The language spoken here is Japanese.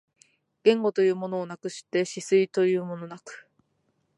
言語というものなくして思惟というものなく、